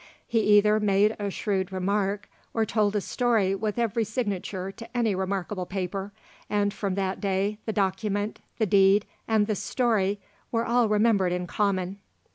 He either made a shrewd remark or told a story with every signature to any remarkable paper, and from that day the document, the deed, and the story were all remembered in common.